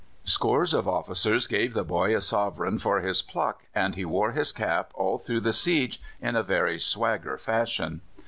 Scores of officers gave the boy a sovereign for his pluck, and he wore his cap all through the siege in a very swagger fashion.